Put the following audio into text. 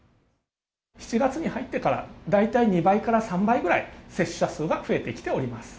７月に入ってから、大体２倍から３倍ぐらい、接種者数が増えてきています。